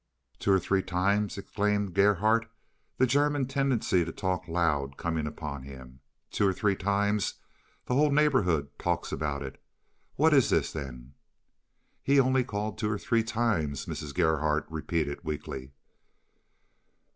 "Two or three times!" exclaimed Gerhardt, the German tendency to talk loud coming upon him. "Two or three times! The whole neighborhood talks about it. What is this, then?" "He only called two or three times," Mrs. Gerhardt repeated weakly.